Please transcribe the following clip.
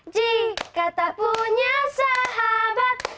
jika tak punya sahabat